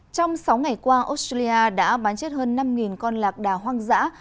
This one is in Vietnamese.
trong sáu ngày qua australia đã bán chết hơn năm con lạc đà hoang dã